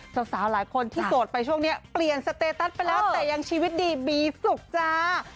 สาวหลายคนที่โสดไปช่วงนี้เปลี่ยนสเตตัสไปแล้วแต่ยังชีวิตดีมีสุขจ้า